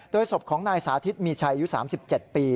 โดยศพของนายสาธิตมีชัยยุค๓๗ปี